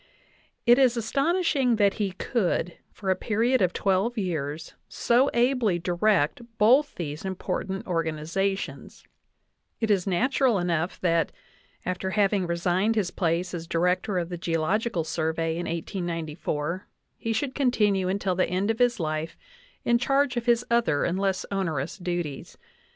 It is as tonishing that he could, for a period of twelve years, so ably direct both these important organizations ; it is natural enough that, after having resigned his place as Director of the Geo logical Survey in 1894, he should continue until the end of his life in charge of his other and less onerous duties.